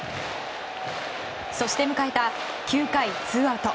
そして迎えた９回ツーアウト。